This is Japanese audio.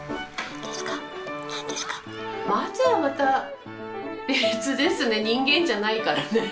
松はまた別ですね人間じゃないからね。